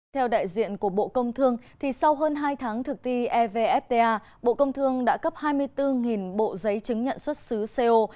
theo đại diện của bộ công thương sau hơn hai tháng thực ti evfta bộ công thương đã cấp hai mươi bốn bộ giấy chứng nhận xuất xứ co